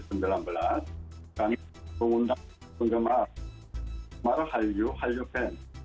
kami mengundang penggemar marahayu hallyu fan